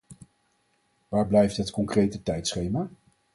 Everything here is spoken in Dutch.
Waar blijft het concrete tijdschema?